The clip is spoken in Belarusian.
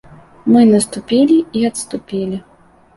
Мы наступілі і адступілі.